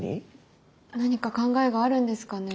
何か考えがあるんですかね。